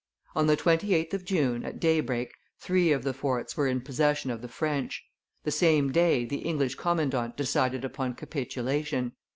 On the 28th of June, at daybreak, three of the forts were in possession of the French; the same day the English commandant decided upon capitulation.